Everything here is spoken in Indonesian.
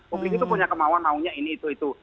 publik itu punya kemauan maunya ini itu itu